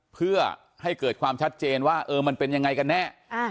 เพื่อให้เกิดความชัดเจนว่ามันเป็นยังไงกันแน่